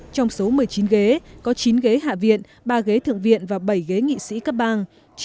trong số một mươi chín ghế có chín ghế hạ viện ba ghế thượng viện và bảy ghế nghị sĩ cấp bang